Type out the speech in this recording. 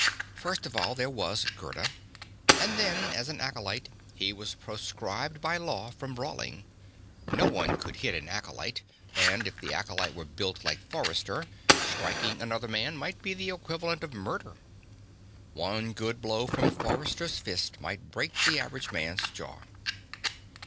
First of all, there was Gerda. And then, as an acolyte, he was proscribed by law from brawling. No one would hit an acolyte; and if the acolyte were built like Forrester, striking another man might be the equivalent of murder. One good blow from Forrester's fist might break the average man's jaw.